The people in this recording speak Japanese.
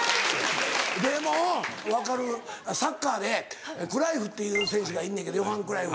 でも分かるサッカーでクライフっていう選手がいんねんけどヨハン・クライフ。